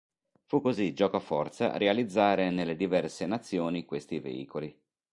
Fu così giocoforza realizzare nelle diverse nazioni questi veicoli.